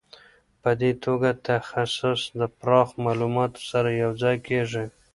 په دې توګه تخصص د پراخ معلوماتو سره یو ځای کیږي.